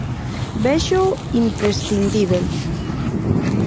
Véxoo imprescindíbel.